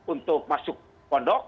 untuk masuk pondok